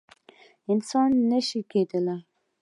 انسان يي نشي لیدلی